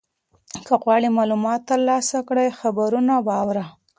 که غواړې معلومات ترلاسه کړې خبرونه واوره.